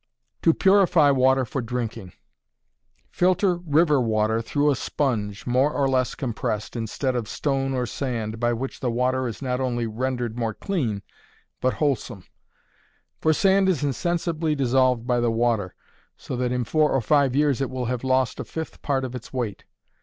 To Purify Water for Drinking. Filter river water through a sponge, more or less compressed, instead of stone or sand, by which the water is not only rendered more clean, but wholesome; for sand is insensibly dissolved by the water, so that in four or five years it will have lost a fifth part of its weight.